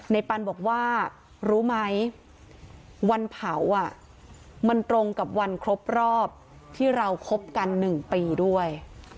ปันบอกว่ารู้ไหมวันเผามันตรงกับวันครบรอบที่เราคบกัน๑ปีด้วย